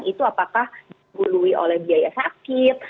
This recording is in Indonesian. itu apakah dihului oleh biaya sakit